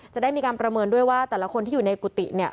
จะได้มีการประเมินด้วยว่าแต่ละคนที่อยู่ในกุฏิเนี่ย